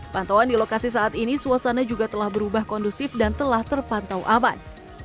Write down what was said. pantauan di lokasi saat ini suasana juga telah berubah kondusif dan telah terpantau aman